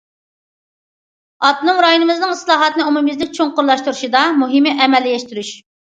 ئاپتونوم رايونىمىزنىڭ ئىسلاھاتنى ئومۇميۈزلۈك چوڭقۇرلاشتۇرۇشىدا، مۇھىمى ئەمەلىيلەشتۈرۈش.